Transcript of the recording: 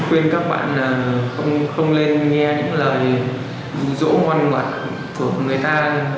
khuyên các bạn không lên nghe những lời bù rỗ ngoan ngoặt của người ta